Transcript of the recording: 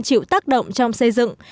chịu tác động trong xây dựng